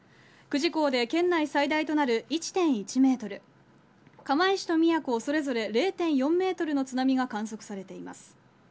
久慈港で県内最大となる１．１メートル、釜石と宮古それぞれ０．４メートルの津波が観測されています。